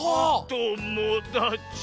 ともだち。